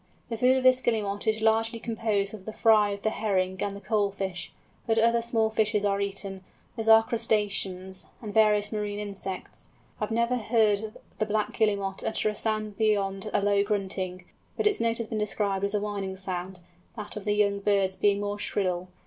The food of this Guillemot is largely composed of the fry of the herring and the coal fish, but other small fishes are eaten, as are crustaceans, and various marine insects. I have never heard the Black Guillemot utter a sound beyond a low grunting; but its note has been described as a whining sound, that of the young birds being more shrill.